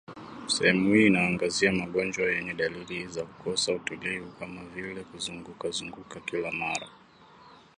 Sehemu hii inaangazia magonjwa yenye dalili za kukosa utulivu kama vile kuzungukazunguka kila mara